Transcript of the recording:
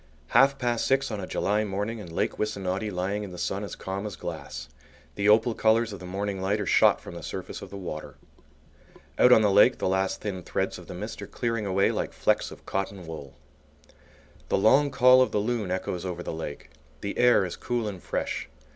Half past six on a July morning, and Lake Wissanotti lying in the sun as calm as glass. The opal colours of the morning light are shot from the surface of the water. Out on the lake the last thin threads of the mist are clearing away like flecks of cotton wool. The long call of the loon echoes over the lake. The air is cool and fresh.